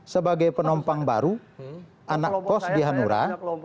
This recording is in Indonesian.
sebagai penompang baru anak kos di hanura